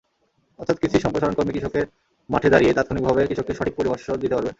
অর্থাৎ কৃষি সম্প্রসারণকর্মী কৃষকের মাঠে দাঁড়িয়েই তাৎক্ষণিকভাবে কৃষককে সঠিক পরামর্শ দিতে পারবেন।